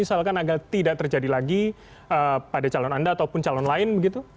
agar tidak terjadi lagi pada calon anda atau calon lain